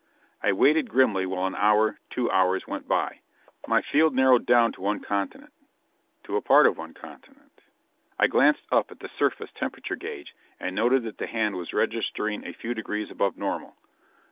I waited grimly while an hour, two hours, went by. My field narrowed down to one continent, to a part of one continent. I glanced up at the surface temperature gauge and noted that the hand was registering a few degrees above normal.